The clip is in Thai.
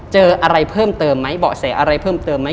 เจออะไรเพิ่มเติมไหมเบาะแสอะไรเพิ่มเติมไหม